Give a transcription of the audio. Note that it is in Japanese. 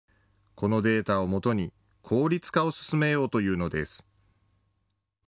このデータをもとに効率化を進めようというのです。